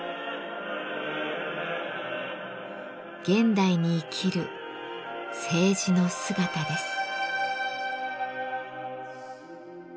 現代に生きる青磁の姿です。